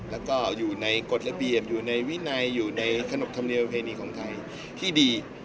แล้วก็อยู่ในกฎระเบียบอยู่ในวินัยอยู่ในขนบธรรมเนียมประเพณีของไทยที่ดี